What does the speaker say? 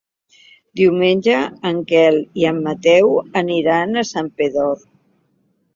Diumenge en Quel i en Mateu aniran a Santpedor.